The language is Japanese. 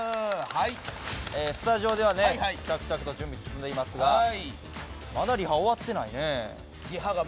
スタジオでは着々と準備が進んでいますがまだリハ、終わってないね。